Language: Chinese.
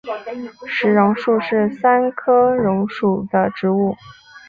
石榕树是桑科榕属的植物。